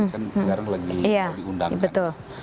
kan sekarang lagi diundangkan